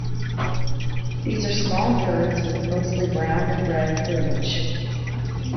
These are small birds with mostly brown and red plumage.